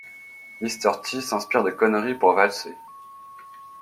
Mister T s'inspire de conneries pour valser!